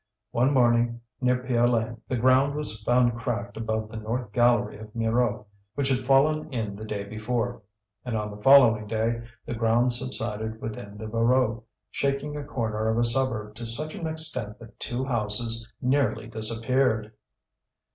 One morning, near Piolaine, the ground was found cracked above the north gallery of Mirou which had fallen in the day before; and on the following day the ground subsided within the Voreux, shaking a corner of a suburb to such an extent that two houses nearly disappeared.